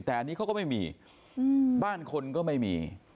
แต่อันนี้เขาก็ไม่มีบ้านคนก็ไม่มี